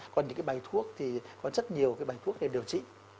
còn những cái bài thuốc thì còn rất nhiều cái bài thuốc để điều trị